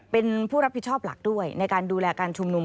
เป็นผู้รับผิดชอบหลักด้วยในการดูแลการชุมนุม